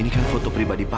ini kan foto pribadi papa